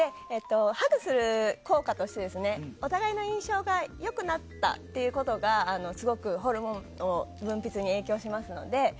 ハグする効果としてお互いの印象が良くなったということがすごくホルモン分泌に影響しますので。